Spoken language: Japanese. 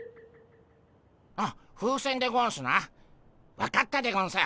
あ風船でゴンスな分かったでゴンス。